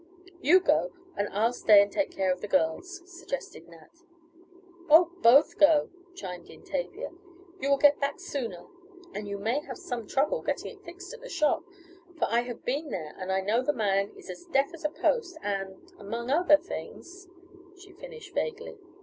"You go and I'll stay and take care of the girls," suggested Nat. "Oh, both go," chimed in Tavia. "You will get back sooner, and you may have some trouble getting it fixed at the shop, for I have been there and I know the man is as deaf as a post and other things," she finished vaguely.